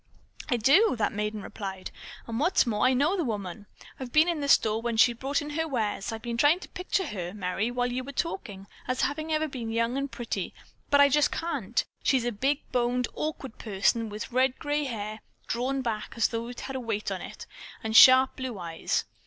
"I do," that maiden replied, "and, what's more, I know the woman. I've been in the store when she brought in her wares. I've been trying to picture her, Merry, while you were talking, as having ever been young and pretty, but I just can't. She is a big boned, awkward person with red grey hair drawn back as though it had a weight on it, and sharp blue eyes."